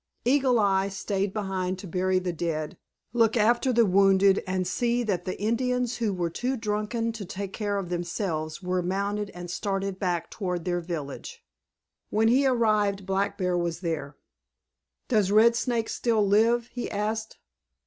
Eagle Eye stayed behind to bury the dead, look after the wounded, and see that the Indians who were too drunken to take care of themselves were mounted and started back toward their village. When he arrived Black Bear was there. "Does Red Snake still live?" he asked.